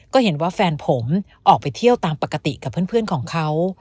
ก็เห็นว่าแฟนผมออกไปเที่ยวตามปกติกับเพื่อนของเขา